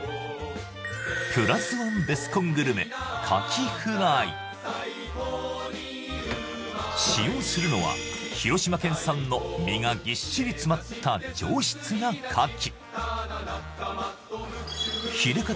プラスワンベスコングルメ使用するのは広島県産の身がぎっしり詰まった上質な牡蠣